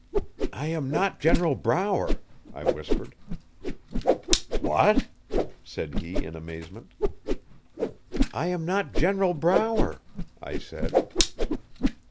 'I am not General Brower,' I whispered. 'What!' said he in amazement. 'I am not General Brower,' I said.